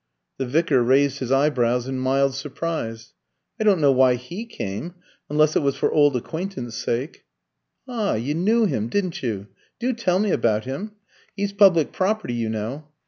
The vicar raised his eyebrows in mild surprise. "I don't know why he came unless it was for old acquaintance' sake." "Ah! you knew him, didn't you? Do tell me about him. He's public property, you know."